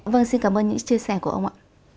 vâng xin cảm ơn những chia sẻ của ông ạ